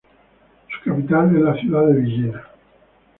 Su capital es la ciudad de Villena.